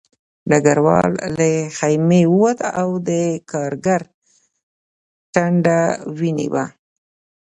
ډګروال له خیمې ووت او د کارګر ټنډه وینه وه